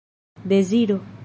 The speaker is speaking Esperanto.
deziro